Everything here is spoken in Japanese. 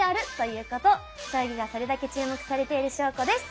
将棋がそれだけ注目されている証拠です。